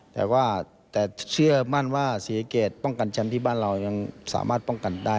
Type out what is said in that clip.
แต่ว่าแต่เชื่อมั่นว่าศรีสะเกดป้องกันแชมป์ที่บ้านเรายังสามารถป้องกันได้